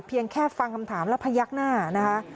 เพียงแค่ฟังคำถามแล้วพยักหน้านะคะ